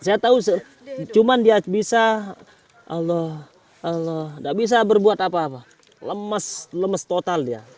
saya tahu cuma dia bisa allah allah tidak bisa berbuat apa apa lemes lemes total dia